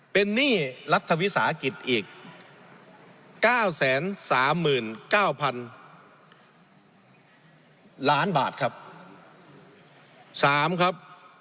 เป็นหนี้รัฐวิสาหกิจอีก๙๓๙๐๐ล้านบาทครับ๓ครับ